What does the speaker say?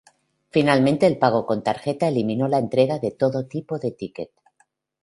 Finalmente el pago con tarjeta eliminó la entrega de todo tipo de ticket.